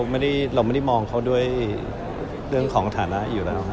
ก็ไม่เชิญครับเพราะว่าเราไม่ได้มองเขาด้วยเรื่องของฐานะอยู่แล้วครับ